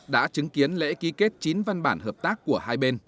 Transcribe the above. đã chứng kiến lễ ký kết chín văn bản hợp tác của hai bên